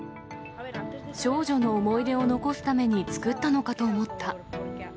少女の思い出を残すために作ったのかと思った。